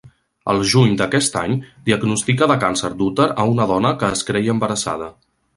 Al juny d'aquest any diagnostica de càncer d'úter a una dona que es creia embarassada.